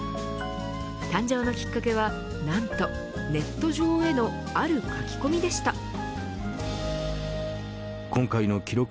誕生のきっかけは何とネット上へのある書き込みでした。